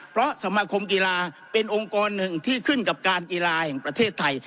เพราะสมาคมกีฬาเป็นองค์กรหนึ่งที่ขึ้นกับการกีฬาแห่งประเทศไทย